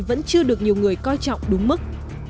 vẫn chưa được nhiều người coi trọng đúng mức